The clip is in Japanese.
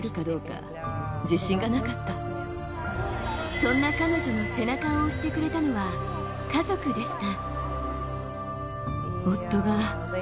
そんな彼女の背中を押してくれたのは家族でした。